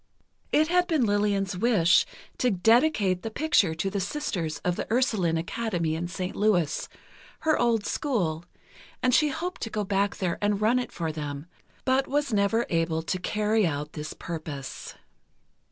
It had been Lillian's wish to dedicate the picture to the Sisters of the Ursuline Academy in St. Louis, her old school, and she hoped to go back there and run it for them, but was never able to carry out this purpose.